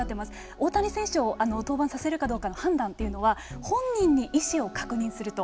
大谷選手を登板させるかどうかの判断っていうのは本人に意思を確認すると。